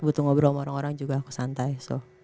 butuh ngobrol sama orang orang juga aku santai so